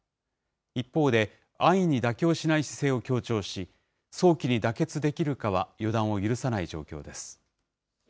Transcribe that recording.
一方で、安易に妥協しない姿勢を強調し、早期に妥結できるかは予断を許さない状況です。